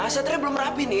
satria belum rapi nih